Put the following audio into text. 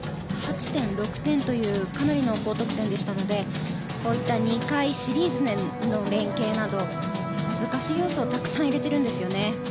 ８．６点というかなりの高得点でしたのでこういった２回シリーズの連係など難しい要素をたくさん入れてるんですよね。